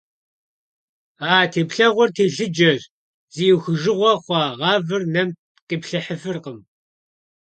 А теплъэгъуэр телъыджэщ - зи Ӏухыжыгъуэ хъуа гъавэр нэм къиплъыхьыфыркъым.